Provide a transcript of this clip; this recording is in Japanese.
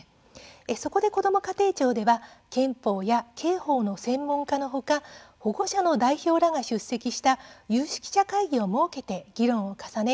そこで、こども家庭庁では憲法や刑法の専門家の他保護者の代表らが出席した有識者会議を設けて議論を重ね